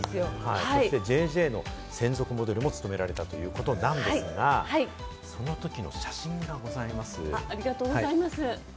そして『ＪＪ』の専属モデルも務められたということなんですがありがとうございます。